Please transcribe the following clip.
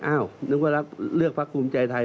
อ้าวนึกว่าเลือกพรรคภูมิใจไทย